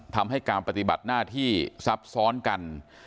ทำให้การปฏิบัติหน้าที่ซับซ้อนกัน